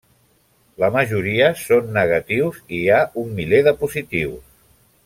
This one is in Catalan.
La majoria són negatius i hi ha un miler de positius.